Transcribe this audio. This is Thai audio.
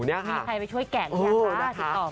มีใครช่วยแกะด้วยค่ะ